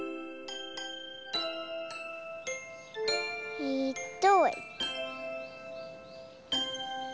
えっと。